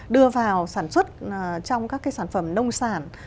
đưa vào sản xuất trong các cái sản phẩm nông sản